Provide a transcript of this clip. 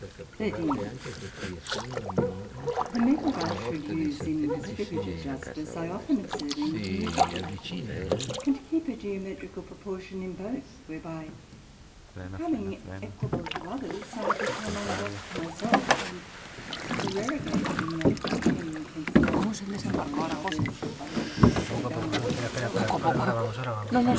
SECT.13 The method I should use in distributive Justice, I often observe in commutative; and keep a Geometrical proportion in both; whereby becoming equable to others, I become unjust to my self, and supererogate in that common principle, Do unto others as thou wouldst be done unto thy self.